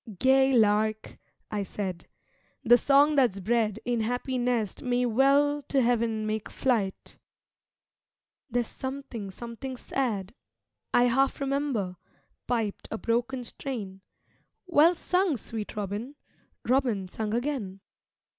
'Gay Lark,' I said, 'The song that's bred In happy nest may well to heaven make flight.' 'There's something, something sad, I half remember' piped a broken strain. Well sung, sweet Robin! Robin sung again.